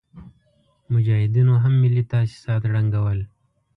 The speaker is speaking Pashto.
مجاهدينو هم ملي تاسيسات ړنګول.